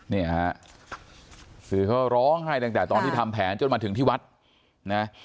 เนี่ยฮะคือเขาร้องไห้ตั้งแต่ตอนที่ทำแผนจนมาถึงที่วัดนะ